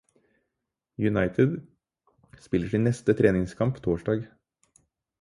United spiller sin neste treningskamp torsdag.